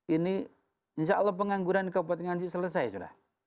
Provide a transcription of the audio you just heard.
ini insya allah pengangguran di kabupaten nganjung selesai sudah